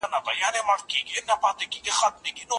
قصاص د ټولني د بقا ضمانت دی.